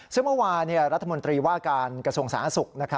เมื่อวานี่รัฐมนตรีว่าการกระทรวงศาสตร์ศักดิ์ศุกร์